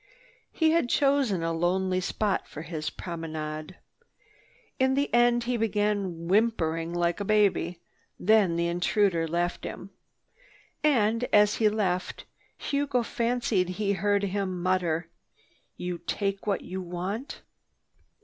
He had chosen a lonely spot for his promenade. In the end he began whimpering like a baby. Then the intruder left him. And as he left, Hugo fancied he heard him mutter, "You take what you want."